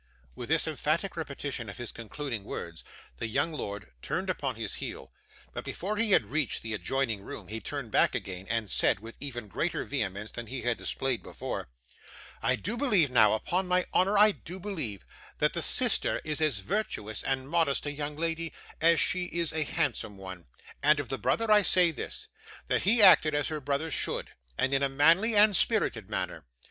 With this emphatic repetition of his concluding words, the young lord turned upon his heel; but before he had reached the adjoining room he turned back again, and said, with even greater vehemence than he had displayed before, 'I do believe, now; upon my honour I do believe, that the sister is as virtuous and modest a young lady as she is a handsome one; and of the brother, I say this, that he acted as her brother should, and in a manly and spirited manner.